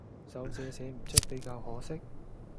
手寫寫唔出比較可惜